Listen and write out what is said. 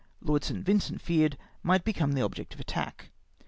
Lord St. Vincent feared, might become the object of attack.